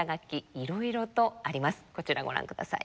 こちらご覧ください。